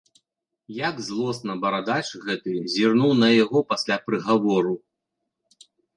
Як злосна барадач гэты зірнуў на яго пасля прыгавору.